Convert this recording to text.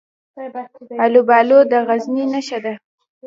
الوبالو د غزني نښه ده.